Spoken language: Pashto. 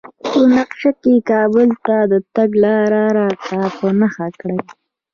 په نقشه کې کابل ته د تګ لار راته په نښه کړئ